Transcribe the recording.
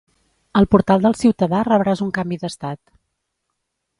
Al portal del ciutadà rebràs un canvi d'estat.